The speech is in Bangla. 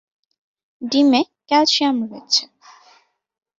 ডিমে ক্যালসিয়াম রয়েছে।